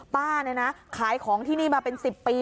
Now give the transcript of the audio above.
ป้าเนี่ยนะขายของที่นี่มาเป็น๑๐ปี